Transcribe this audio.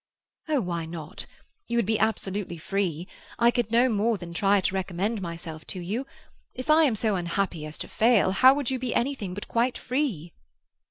"Oh, why not? You would be absolutely free. I could no more than try to recommend myself to you. If I am so unhappy as to fail, how would you be anything but quite free?"